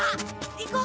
行こう！